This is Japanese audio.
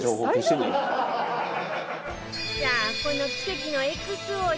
さあこの奇跡の ＸＯ 醤